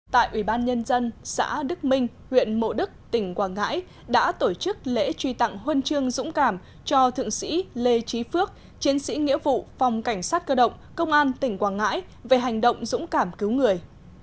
tại ủy ban nhân dân xã đức minh huyện mộ đức tỉnh quảng ngãi đã tổ chức lễ truy tặng huân chương dũng cảm cho thượng sĩ lê trí phước chiến sĩ nghĩa vụ phòng cảnh sát cơ động công an tỉnh quảng ngãi về hành động dũng cảm cứu người